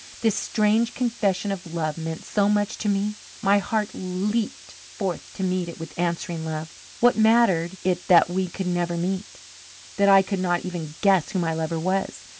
This strange confession of love meant so much to me; my heart leaped forth to meet it with answering love. What mattered it that we could never meet that I could not even guess who my lover was?